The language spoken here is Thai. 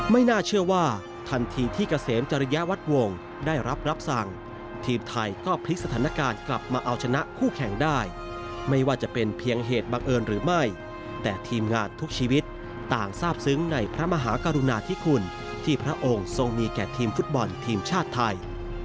ไม่น่าเชื่อว่าทันทีที่เกษมจริยวัตรวงศ์ได้รับรับสั่งทีมไทยก็พลิกสถานการณ์กลับมาเอาชนะคู่แข่งได้ไม่ว่าจะเป็นเพียงเหตุบังเอิญหรือไม่แต่ทีมงานทุกชีวิตต่างทราบซึ้งในพระมหากรุณาธิคุณที่พระองค์ทรงมีแก่ทีมฟุตบอลทีมชาติไทย